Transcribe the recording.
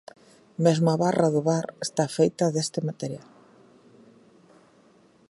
Mesmo a barra do bar está feita deste material.